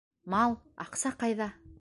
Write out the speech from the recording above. Мал, аҡса ҡайҙа?